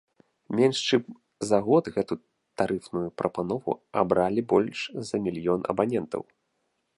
Менш чым за год гэту тарыфную прапанову абралі больш за мільён абанентаў.